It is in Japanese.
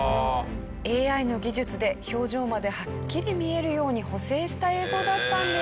ＡＩの技術で表情まではっきり見えるように補正した映像だったんです。